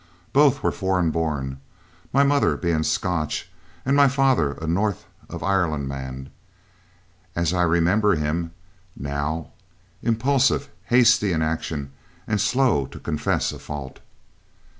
Both were foreign born, my mother being Scotch and my father a north of Ireland man, as I remember him, now, impulsive, hasty in action, and slow to confess a fault.